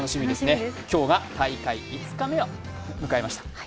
今日大会５日目を迎えました。